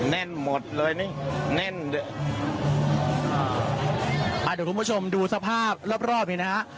แน่นหมดเลยนี่แน่นอ่าเดี๋ยวคุณผู้ชมดูสภาพรอบนี้นะฮะ